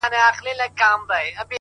• چي مېږي ته خدای په قار سي وزر ورکړي,